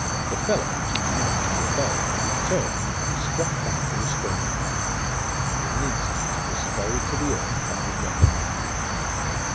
The fellow, too maddened to obey, turned, and struck back the restraining arm...and in an instant was felled to the earth by a young monk..